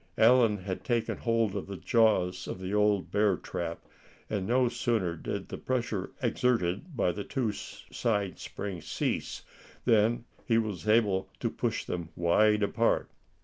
Allan had taken hold of the jaws of the old bear trap, and no sooner did the pressure exerted by the two side springs cease, than he was able to push them wide apart.